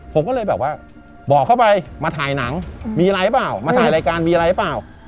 ผมก็เลยแบบว่าบอกเข้าไปมาถ่ายหนังมีอะไรหรือเปล่ามาถ่ายรายการมีอะไรเปล่า